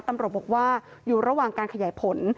ตำรวจบอกว่าอยู่ระหว่างการขยายผล